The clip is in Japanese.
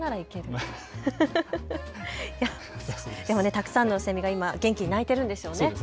たくさんのセミが今、元気に鳴いているんでしょうね。